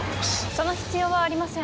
その必要はありません